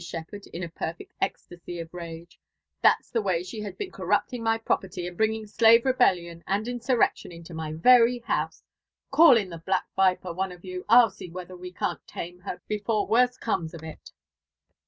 ftrepherdin A perfect ecstasy of rage; (hat*8 the wrfy dhe hag heett cowtfptfng my preperty, and bringing slave rebeflion and fnstirfecfion into rtiy Very hotise f Gall ift the black viper, 6ne of yea : tff see whether wer can't taii^ her be fore Worse comes of it."